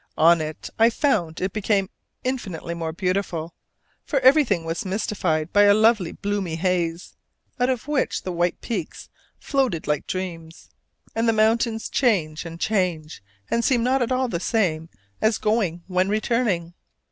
On it, I found it become infinitely more beautiful, for everything was mystified by a lovely bloomy haze, out of which the white peaks floated like dreams: and the mountains change and change, and seem not all the same as going when returning.